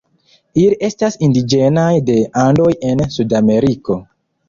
Ili estas indiĝenaj de Andoj en Sudameriko.